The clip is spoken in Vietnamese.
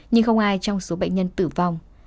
nhưng không ai trong số bệnh nhân tử vong